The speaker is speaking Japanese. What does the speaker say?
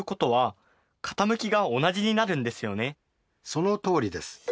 そのとおりです。